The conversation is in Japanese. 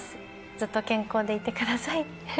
ずっと健康でいてください。